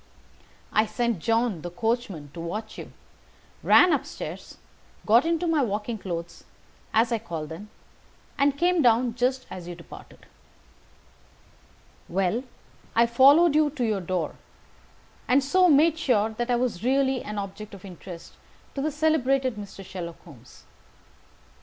I sent John, the coachman, to watch you, ran up stairs, got into my walking clothes, as I call them, and came down just as you departed. "Well, I followed you to your door, and so made sure that I was really an object of interest to the celebrated Mr. Sherlock Holmes.